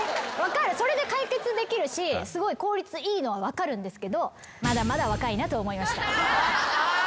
それで解決できるしすごい効率いいのは分かるんですけど。と思いました。